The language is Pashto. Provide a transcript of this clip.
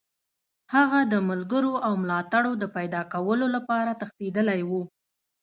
هغه د ملګرو او ملاتړو د پیداکولو لپاره تښتېدلی وو.